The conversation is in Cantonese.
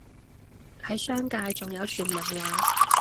喺商界仲有傳聞話